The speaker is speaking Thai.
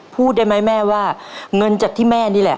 พูดได้ไหมแม่ว่าเงินจากที่แม่นี่แหละ